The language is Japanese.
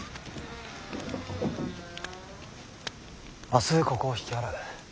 明日ここを引き払う。